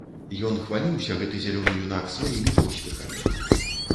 Ён хваліўся, гэты зялёны юнак, сваімі поспехамі.